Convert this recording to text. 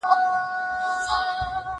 له سدیو تښتېدلی چوروندک دی